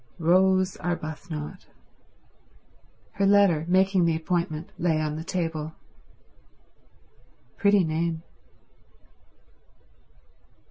Rose Arbuthnot. Her letter, making the appointment, lay on the table. Pretty name.